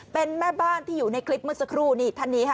เป็นแม่บ้านที่อยู่ในคลิปเมื่อสักครู่นี่ท่านนี้ค่ะ